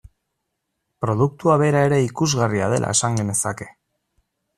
Produktua bera ere ikusgarria dela esan genezake.